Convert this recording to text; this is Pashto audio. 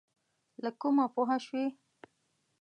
له کومه پوه شوې؟